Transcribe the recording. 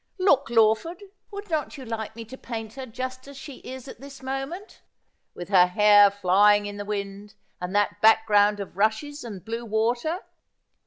Look, Lawford, would not you like me to paint her just as she is at this moment, with her hair flying in the wind, and that background of rushes and blue water